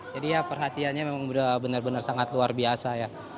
jadi ya perhatiannya memang benar benar sangat luar biasa